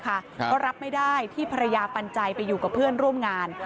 จากงานเลยค่ะก็รับไม่ได้ที่ภรรยาปัญญาไปอยู่กับเพื่อนร่วมงาน